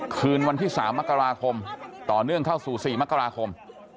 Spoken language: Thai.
คืนวันที่๓มกราคมต่อเนื่องเข้าสู่๔มกราคม